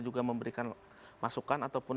juga memberikan masukan ataupun